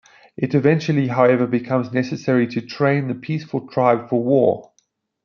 It eventually, however, becomes necessary to train the peaceful tribe for war.